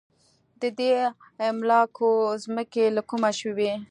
د دې املاکو ځمکې له کومه شوې وې.